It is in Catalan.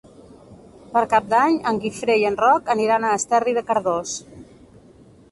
Per Cap d'Any en Guifré i en Roc aniran a Esterri de Cardós.